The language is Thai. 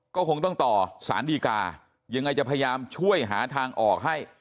ก็คงต้องต่อสารดีกายังไงจะพยายามช่วยหาทางออกให้